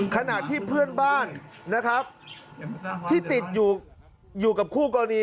ขณะที่เพื่อนบ้านนะครับที่ติดอยู่อยู่กับคู่กรณี